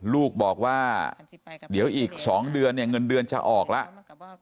ลูกบอกว่าเดี๋ยวอีก๒เดือนเนี่ยเงินเดือนจะออกแล้ว